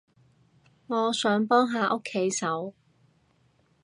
我想幫下屋企手